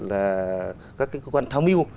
là các cái cơ quan tham mưu